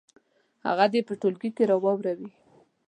هغه دې په ټولګي کې واوروي.